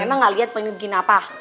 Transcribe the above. emang enggak liat pengen bikin apa